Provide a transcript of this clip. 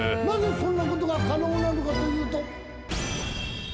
なぜそんなことが可能なのかというと。